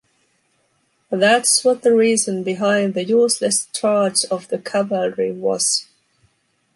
That’s what the reason behind the useless charge of the cavalry was.